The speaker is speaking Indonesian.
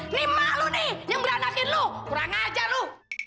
ini emak lu nih yang beranakin lu kurang aja lu